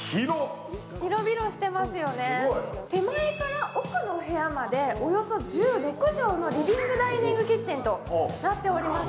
広々していますよね、手前から奥のお部屋までおよそ１６畳のリビングダイニングキッチンとなっております。